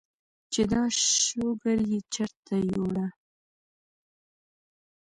چې دا شوګر ئې چرته يوړۀ ؟